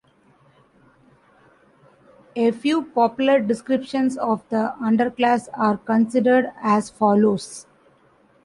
A few popular descriptions of the underclass are considered as follows.